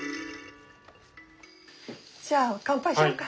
じゃあ乾杯しよっか。